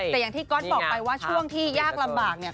แต่อย่างที่ก๊อตบอกไปว่าช่วงที่ยากลำบากเนี่ย